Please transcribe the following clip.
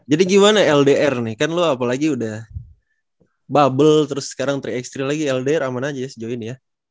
jadi gimana ldr nih kan lu apalagi udah bubble terus sekarang tiga x tiga lagi ldr aman aja ya sejauh ini ya